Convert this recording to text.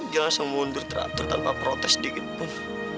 dia langsung mundur teratur tanpa protes dikitpun